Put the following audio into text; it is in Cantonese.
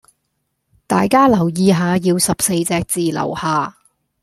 大家留意下要十四隻字樓下